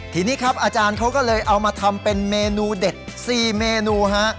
ทีนี้ครับอาจารย์เขาก็เลยเอามาทำเป็นเมนูเด็ด๔เมนูฮะ